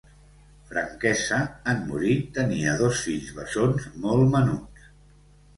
Franquesa, en morir, tenia dos fills bessons molt menuts.